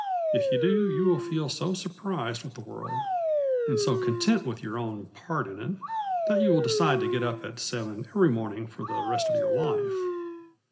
If you do, you will feel so surprised with the world, and so content with your own part in it, that you will decide to get up at seven every morning for the rest of your life.